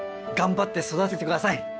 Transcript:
頑張って育ててください。